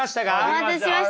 お待たせしました。